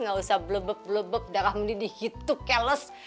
gak usah blebek blebek darah mendidih itu keles